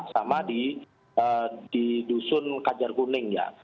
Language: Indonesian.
sama di dusun kajar kuning ya